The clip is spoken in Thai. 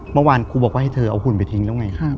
เมื่อวานครูบอกว่าให้เธอเอาหุ่นไปทิ้งแล้วไง